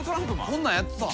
こんなんやってた？